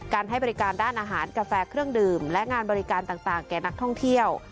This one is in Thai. ให้บริการด้านอาหารกาแฟเครื่องดื่มและงานบริการต่างแก่นักท่องเที่ยว